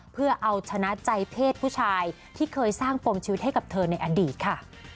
เพื่อเอาชนะใจเพศผู้ชายที่เคยสร้างปมชีวิตให้กับเธอในอดีตค่ะ